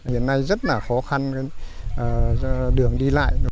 hiện nay rất là khó khăn đường đi lại